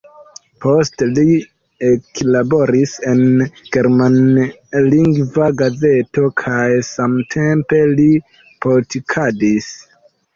Poste li eklaboris en germanlingva gazeto kaj samtempe li politikadis.